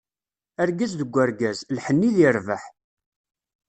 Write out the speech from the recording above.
Argaz deg urgaz, lḥenni di rrbeḥ.